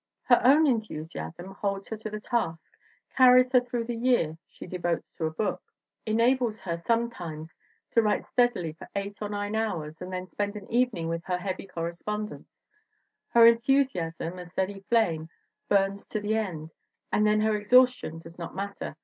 Her own enthusiasm holds her to the task, carries her through the year she devotes to a book, enables her sometimes to write steadily for eight or nine hours and then spend an evening with her heavy cor respondence. Her enthusiasm, a steady flame, burns to the end; and then her exhaustion does not matter.